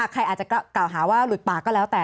ใครอาจจะกล่าวหาว่าหลุดปากก็แล้วแต่